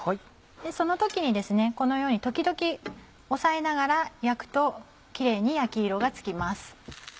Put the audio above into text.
その時にですねこのように時々押さえながら焼くとキレイに焼き色がつきます。